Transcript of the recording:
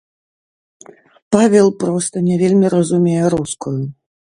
Павел проста не вельмі разумее рускую.